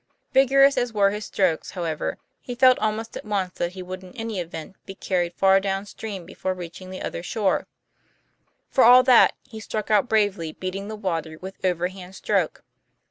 Vigorous as were his strokes, how ever, he felt almost at once that he would in any event be carried far down stream before reaching the other shore. For all that, he struck out bravely, beating the water with over hand stroke.